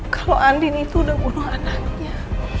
kalo andien itu udah bunuh anaknya